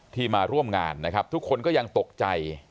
มาร่วมงานนะครับทุกคนก็ยังตกใจ